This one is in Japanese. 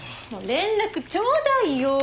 連絡ちょうだいよ。